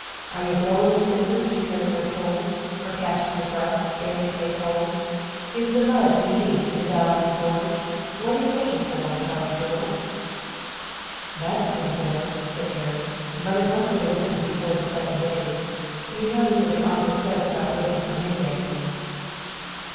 Are you blowing your fingers because they're cold, Or catching your breath ere you take a hold? Is the mud knee deep in valley and gorge? What are you waiting for, Tardy George?" "That's pretty bitter," said Harry, "but it must have been written before the Seven Days. You notice what the author says about waiting for May day."